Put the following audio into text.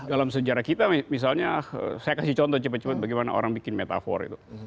dalam sejarah kita misalnya saya kasih contoh cepat cepat bagaimana orang bikin metafor itu